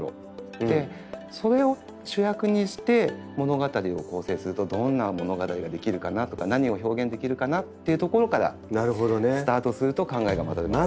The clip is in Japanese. でそれを主役にして物語を構成するとどんな物語が出来るかなとか何を表現できるかなっていうところからスタートすると考えがまとまりやすい。